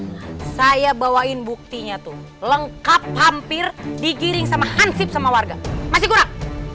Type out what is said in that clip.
nah saya bawain buktinya tuh lengkap hampir digiring sama hansip sama warga masih kurang